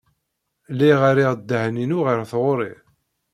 Lliɣ rriɣ ddehn-inu ɣer tɣuri.